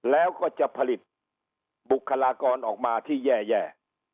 แล้วก็จะผลิตบุคลากรออกมาที่แย่